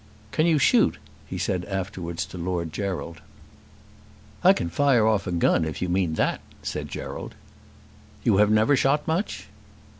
"Can you shoot?" he said afterwards to Lord Gerald. "I can fire off a gun, if you mean that," said Gerald. "You have never shot much?"